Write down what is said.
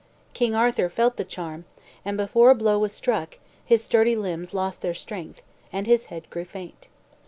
King Arthur felt the charm, and before a blow was struck, his sturdy limbs lost their strength, and his head grew faint.